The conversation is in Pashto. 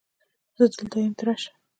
زه دلته یم ته راشه